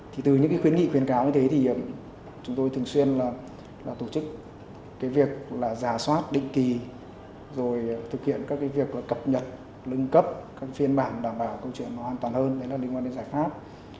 thì từ những cái khuyến nghị khuyến cáo như thế thì chúng tôi thường xuyên là tổ chức cái việc là giả soát định kỳ rồi thực hiện các cái việc là cập nhật lưng cấp các phiên bản đảm bảo câu chuyện nó an toàn hơn đấy nó liên quan đến giải pháp